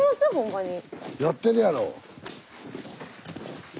やってるやろ。